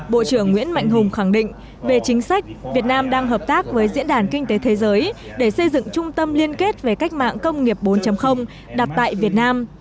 bộ trưởng nguyễn mạnh hùng khẳng định về chính sách việt nam đang hợp tác với diễn đàn kinh tế thế giới để xây dựng trung tâm liên kết về cách mạng công nghiệp bốn đặt tại việt nam